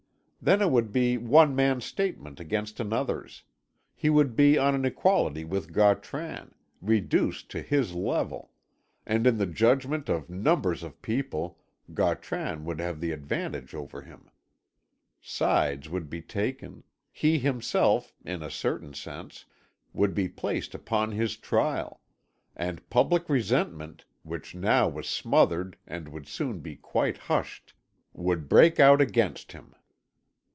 Then it would be one man's statement against another's; he would be on an equality with Gautran, reduced to his level; and in the judgment of numbers of people Gautran would have the advantage over him. Sides would be taken; he himself, in a certain sense, would be placed upon his trial, and public resentment, which now was smothered and would soon be quite hushed, would break out against him.